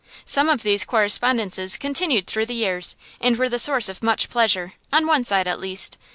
Some of these correspondences continued through years, and were the source of much pleasure, on one side at least.